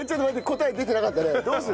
答え出てなかったね。